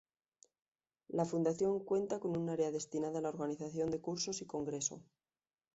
La fundación cuenta con un área destinada a la organización de cursos y congreso.